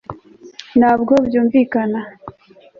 ntabwo byumvikana